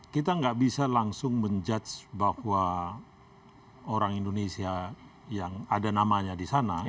kita nggak bisa langsung menjudge bahwa orang indonesia yang ada namanya di sana